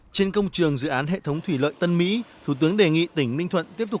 trên công trường dự án hệ thống thủy lợi tân mỹ thủ tướng đề nghị tỉnh ninh thuận tiếp tục